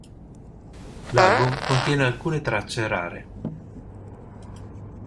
L'album contiene alcune tracce rare.